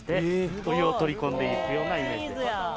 お湯を取り込んで行くイメージです。